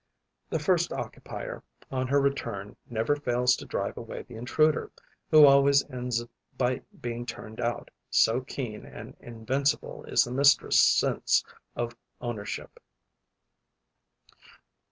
The first occupier, on her return, never fails to drive away the intruder, who always ends by being turned out, so keen and invincible is the mistress' sense of ownership.